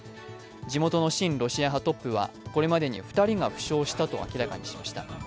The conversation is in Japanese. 地元の親ロシア派トップはこれまでに２人が負傷したと明らかにしました。